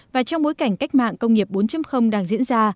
và trong bối cảnh cách mạng công nghiệp bốn đang diễn ra